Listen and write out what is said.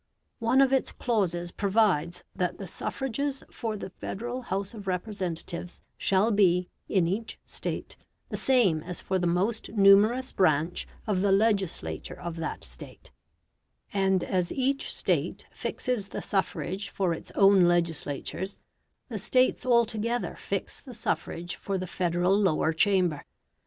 One of its clauses provides that the suffrages for the Federal House of Representatives shall be, in each State, the same as for the most numerous branch of the legislature of that State; and as each State fixes the suffrage for its own legislatures, the States altogether fix the suffrage for the Federal Lower Chamber.